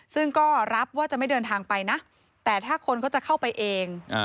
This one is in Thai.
ซึ่งก็รับว่าจะไม่เดินทางไปนะแต่ถ้าคนเขาจะเข้าไปเอง